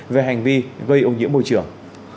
về hành vi gây ô nhiễm môi trường